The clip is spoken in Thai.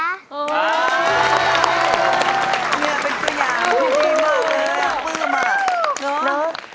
อันเนี้ยเป็นดีมากมาก